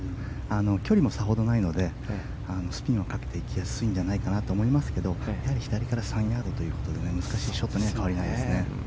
距離もさほどないのでスピンをかけていきやすいのではと思いますけど左から３ヤードということで難しいショットには違いないですね。